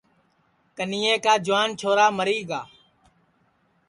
کنیئے کا جُوان چھورا مری گا